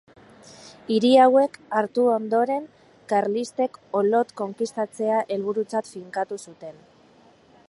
Hiri hauek hartu ondoren, karlistek Olot konkistatzea helburutzat finkatu zuten.